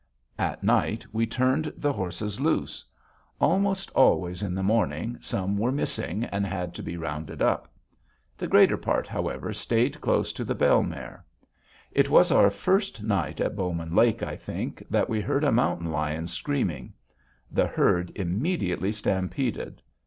At night, we turned the horses loose. Almost always in the morning, some were missing, and had to be rounded up. The greater part, however, stayed close to the bell mare. It was our first night at Bowman Lake, I think, that we heard a mountain lion screaming. The herd immediately stampeded.